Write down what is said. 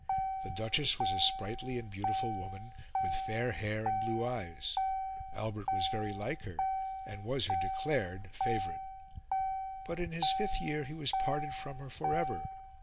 The Duchess was a sprightly and beautiful woman, with fair hair and blue eyes; Albert was very like her and was her declared favourite. But in his fifth year he was parted from her for ever.